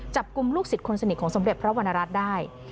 จับกลุ่มลูกศิษย์คนสนิทของสมเด็จพระวรรณรัฐได้